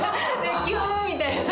キュンみたいな。